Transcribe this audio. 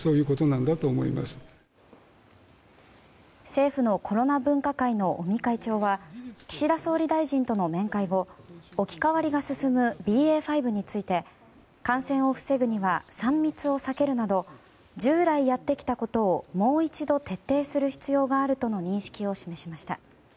政府のコロナ分科会の尾身会長は岸田総理大臣との面会後置き変わりが進むＢＡ．５について感染を防ぐには３密を避けるなど従来やってきたことをもう一度徹底する必要があるとの認識を示しました。